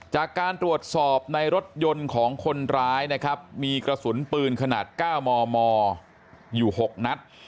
จากการตรวจสอบในรถยนต์ของคนร้ายนะครับมีกระสุนปืนขนาด๙มมอยู่๖นัด